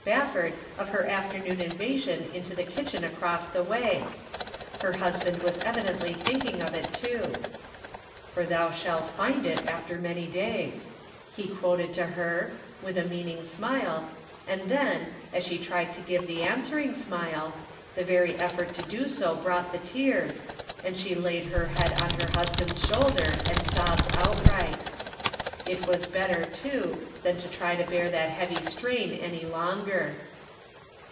Spafford of her afternoon invasion into the kitchen across the way. Her husband was evidently thinking of it, too :"' For thou shalt find it after many days, '' he quoted to her, with a meaning smile, and then, as she tried to give the answering smile, the very effort to do so brought the tears, and she laid her head on her husband's shoulder and sobbed outright. It was better to, than to try to bear that heavy strain any longer.